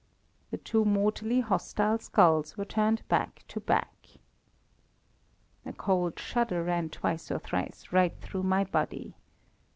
. the two mortally hostile skulls were turned back to back! A cold shudder ran twice or thrice right down my body.